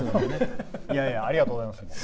ありがとうございます。